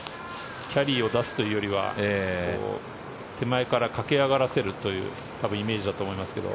キャリーを出すというよりは手前から駆け上がらせるというイメージだと思いますけど。